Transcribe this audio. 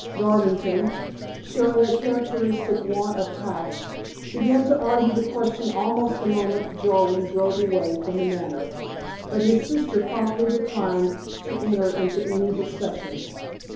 Garvington, showing a characteristic want of tact, began to argue the question almost the moment Jarwin drove away from The Manor, but his sister promptly declined to enter into any discussion.